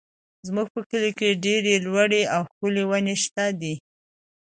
زموږ په کلي کې ډېرې لوړې او ښکلې ونې شته دي.